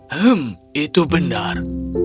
hmm itu benar